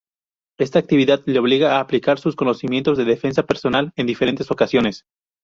Esta actividad le obliga a aplicar sus conocimientos de defensa personal en diferentes ocasiones.